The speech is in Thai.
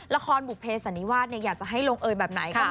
ละครบุภิสันติวาสเนี่ยอยากจะให้ลงเอยแบบไหนกัน